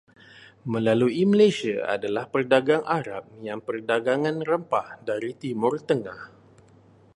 Melalui Malaysia adalah pedagang Arab yang Perdagangan rempah dari Timur Tengah.